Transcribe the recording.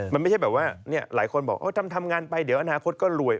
มันไม่ใช่แบบว่าหลายคนบอกทำงานไปเดี๋ยวอนาคตก็รวย